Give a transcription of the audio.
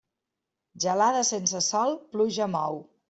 Gelada sense sol, pluja mou.